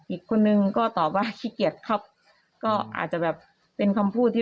อีกคนนึงก็ตอบว่าขี้เกียจครับก็อาจจะแบบเป็นคำพูดที่